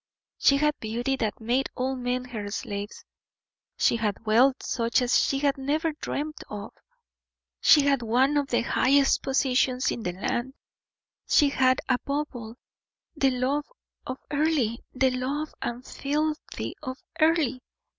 She had beauty that made all men her slaves; she had wealth such as she had never dreamed of; she had one of the highest positions in the land; she had, above all, the love of Earle, the love and fealty of Earle.